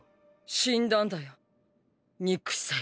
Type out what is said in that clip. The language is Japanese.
死んだんだよニック司祭が。